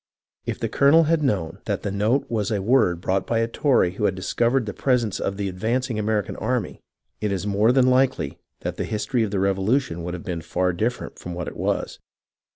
If the colonel had known that the note was a word brought by a Tory who had discovered the presence of the advancing American army, it is more than likely that the history of the Revo ' lution would have been far different from what it was.